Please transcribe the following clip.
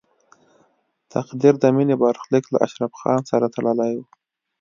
تقدیر د مینې برخلیک له اشرف خان سره تړلی و